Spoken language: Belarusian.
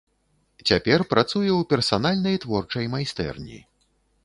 Цяпер працуе ў персанальнай творчай майстэрні.